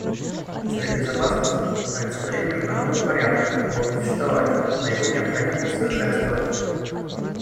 Совет Безопасности, олицетворение международного порядка, должен существовать, но его необходимо усовершенствовать.